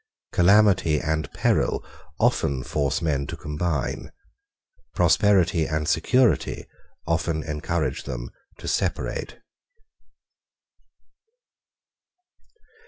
Calamity and peril often force men to combine. Prosperity and security often encourage them to separate.